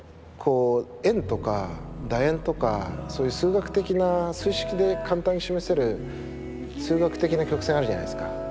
円とかだ円とかそういう数学的な数式で簡単に示せる数学的な曲線あるじゃないですか。